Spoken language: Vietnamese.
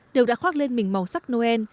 đều đã khoác lên mình màu sắc noel